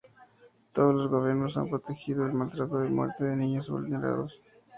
Todos los gobiernos han protegido el maltrato y muerte de niños vulnerados.